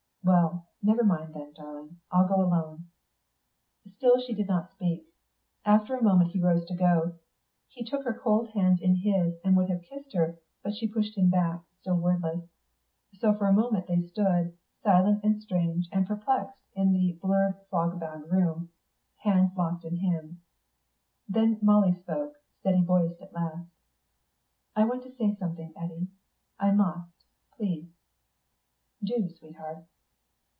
"Well, never mind, then, darling. I'll go alone." Still she did not speak. After a moment he rose to go. He took her cold hands in his, and would have kissed her, but she pushed him back, still wordless. So for a moment they stood, silent and strange and perplexed in the blurred fog bound room, hands locked in hands. Then Molly spoke, steady voiced at last. "I want to say something, Eddy. I must, please." "Do, sweetheart."